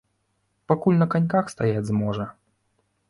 Пакуль на каньках стаяць зможа.